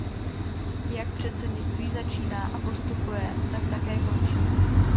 Jak předsednictví začíná a postupuje, tak také končí.